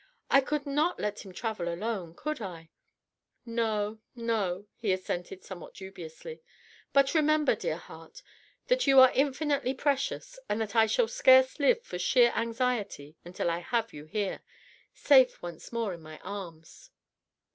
"I could not let him travel alone ... could I?" "No, no," he assented somewhat dubiously, "but remember, dear heart, that you are infinitely precious and that I shall scarce live for sheer anxiety until I have you here, safe, once more in my arms."